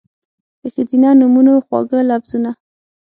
د ښځېنه نومونو، خواږه لفظونه